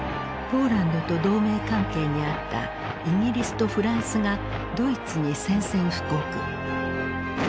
ポーランドと同盟関係にあったイギリスとフランスがドイツに宣戦布告。